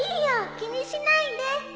気にしないで